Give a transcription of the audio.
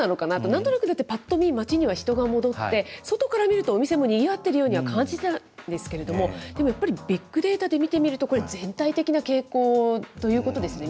なんとなく、だってぱっと見、街には人が戻って、外から見ると、お店もにぎわってるようには感じてたんですけれども、でもやっぱりビッグデータで見てみると、これ、全体的な傾向ということですね。